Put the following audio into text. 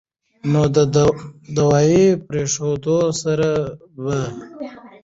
نو د دوائي پرېښودو سره به